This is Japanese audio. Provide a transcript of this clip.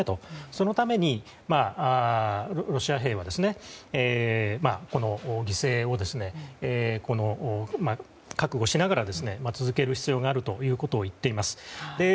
そのためにロシア兵は犠牲を覚悟しながら続ける必要があるということを言っています。